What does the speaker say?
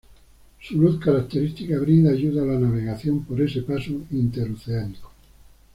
Su luz característica brinda ayuda a la navegación por ese paso interoceánico.